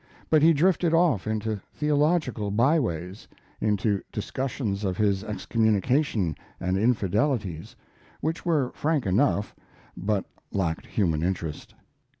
But he drifted off into theological byways; into discussions of his excommunication and infidelities, which were frank enough, but lacked human interest.